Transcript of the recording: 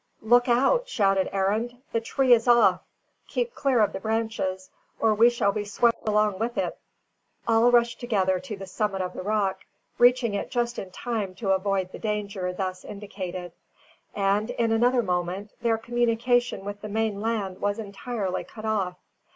"Look out!" shouted Arend; "the tree is off. Keep clear of the branches, or we shall be swept along with it." All rushed together to the summit of the rock, reaching it just in time to avoid the danger thus indicated; and, in another moment, their communication with the main land was entirely cut off.